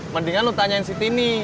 mendingan lo tanyain si tini